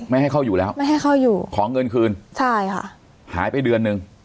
ไม่ให้เข้าอยู่แล้วไม่ให้เข้าอยู่ขอเงินคืนใช่ค่ะหายไปเดือนหนึ่ง